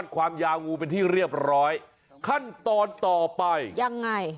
ขั้นตอนต่อไปยังไง